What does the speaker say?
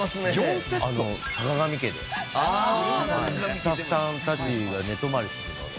スタッフさんたちが寝泊まりするので。